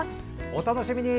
お楽しみに。